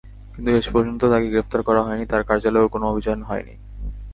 কিন্তু শেষ পর্যন্ত তাঁকে গ্রেপ্তার করা হয়নি, তাঁর কার্যালয়েও কোনো অভিযান হয়নি।